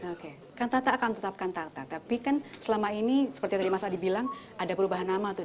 oke kantata akan tetap kantata tapi kan selama ini seperti tadi mas adi bilang ada perubahan nama tuh